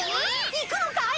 行くんかい！？